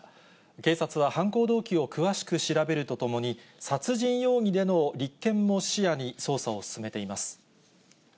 警察は犯行動機を詳しく調べるとともに、殺人容疑での立件も視野に、捜査を進めています。